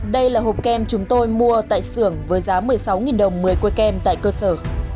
đây là hộp kèm chúng tôi mua tại xưởng với giá một mươi sáu đồng một mươi quê kèm tại cơ sở